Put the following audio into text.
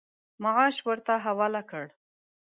معاش ورته حواله کړ.